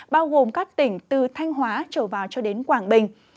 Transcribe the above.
bao gồm các tỉnh từ thanh hóa trở vào cho đến quảng bình